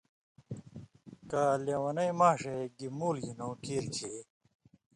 کہ لیونَیں ماݜے گی مُول گھِنؤں کیر کھیں۔